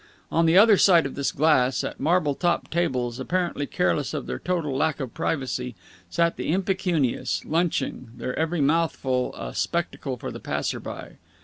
On the other side of this glass, at marble topped tables, apparently careless of their total lack of privacy, sat the impecunious, lunching, their every mouthful a spectacle for the passer by.